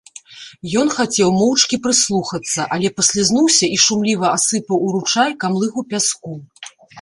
Ён хацеў моўчкі прыслухацца, але паслізнуўся і шумліва асыпаў у ручай камлыгу пяску.